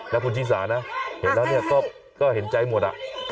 แล้วหุ่นชีสานะเห็นแล้วก็เห็นใจหมด